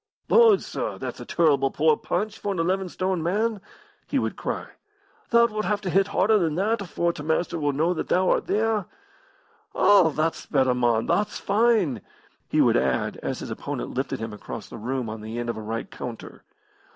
"Lord, sir, that's a turble poor poonch for an eleven stone man!" he would cry. "Thou wilt have to hit harder than that afore t' Master will know that thou art theer. All, thot's better, mon, thot's fine!" he would add, as his opponent lifted him across the room on the end of a right counter.